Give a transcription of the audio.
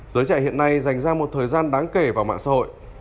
giới trẻ hiện nay dành ra một thời gian đáng kể vào mạng xã hội